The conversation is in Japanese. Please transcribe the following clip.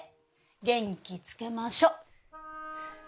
元気つけましょっ